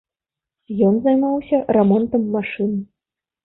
Ён займаўся рамонтам машын.